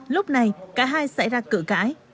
lúc này cả hai xảy ra cửa cãi